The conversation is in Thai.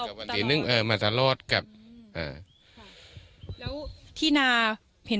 กับวันทีหนึ่งเออมาสรดครับอ่าแล้วที่นาเห็น